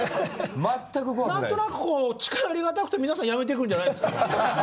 何となく近寄りがたくて皆さん辞めていくんじゃないですか？